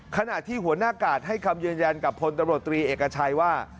ขณะที่หัวหน้ากาดให้คำยืนยันกับพลตำรวจตรีเอกชัยว่า